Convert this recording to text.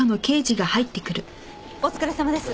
お疲れさまです。